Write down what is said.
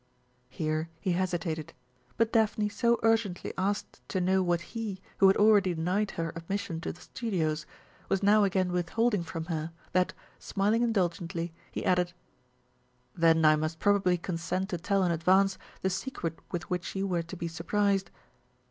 Here he hesitated; but Daphne so urgently asked to know what he, who had already denied her admission to the studios, was now again withholding from her, that, smiling indulgently, he added: "Then I must probably consent to tell in advance the secret with which you were to be surprised.